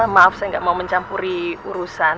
maaf saya nggak mau mencampuri urusan